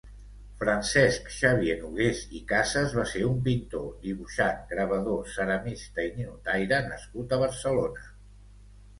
Francesc Xavier Nogués i Casas va ser un pintor, dibuixant, gravador, ceramista i ninotaire nascut a Barcelona.